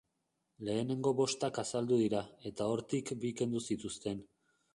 Lehenengo bostak azaldu dira, eta hortik bi kendu zituzten.